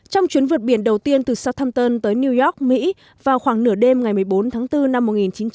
trong chuyến vượt biển đầu tiên từ suthanton tới new york mỹ vào khoảng nửa đêm ngày một mươi bốn tháng bốn năm một nghìn chín trăm bảy mươi